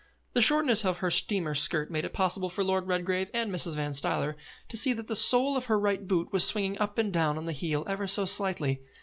The shortness of her steamer skirt made it possible for Lord Redgrave and Mrs. Van Stuyler to see that the sole of her right boot was swinging up and down on the heel ever so slightly.